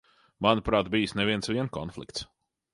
Manuprāt, bijis ne viens vien konflikts.